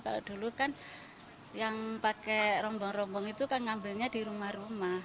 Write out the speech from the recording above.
kalau dulu kan yang pakai rombong rombong itu kan ngambilnya di rumah rumah